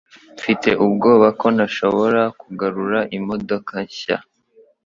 Mfite ubwoba ko ntashobora kugura imodoka nshya.